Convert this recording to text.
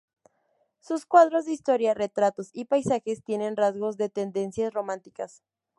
Sus cuadros de historia, retratos y paisajes tienen rasgos de tendencias románticas.